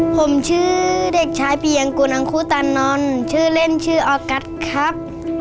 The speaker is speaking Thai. ผมชื่อเด็กชายปียังกุนอังคุตานนท์ชื่อเล่นชื่อออกัสครับ